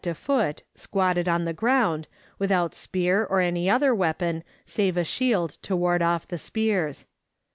95 to foot, squatted 011 the ground, without spear or any other weapon .save a shield to ward off the spears.